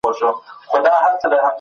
اورنګوتان 🦧